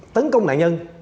tấn công nạn nhân